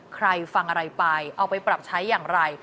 ใครฟังอะไรไปเอาไปปรับใช้อย่างไร